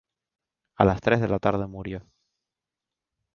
A las tres de la tarde murió.